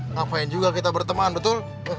ngapain juga kita berteman betul